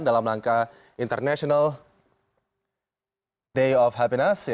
dalam langkah international day of happiness